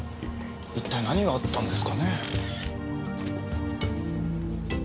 一体何があったんですかねぇ。